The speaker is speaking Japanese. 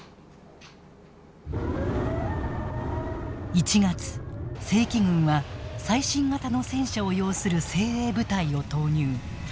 １月、正規軍は最新型の戦車を擁する精鋭部隊を投入。